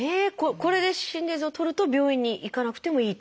これで心電図をとると病院に行かなくてもいいと。